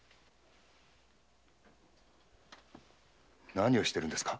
何をしてるんですか。